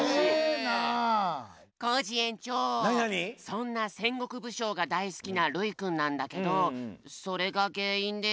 そんな戦国武将がだい好きなるいくんなんだけどそれがげんいんで